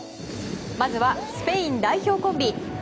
まずは、スペイン代表コンビ。